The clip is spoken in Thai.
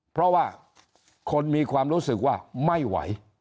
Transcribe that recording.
เพราะว่าคนมีความรู้สึกว่าไม่ไหว